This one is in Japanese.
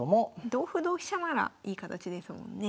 同歩同飛車ならいい形ですもんね。